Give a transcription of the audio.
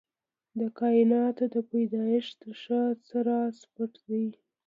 د کائناتو د پيدايښت تر شا څه راز پټ دی؟